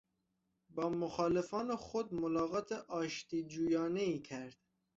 با مخالفان خود ملاقات آشتی جویانهای کرد.